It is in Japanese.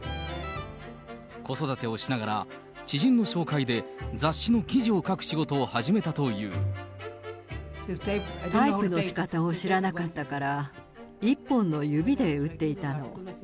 子育てをしながら知人の紹介で雑誌の記事を書く仕事を始めたといタイプのしかたを知らなかったから、１本の指で打っていたの。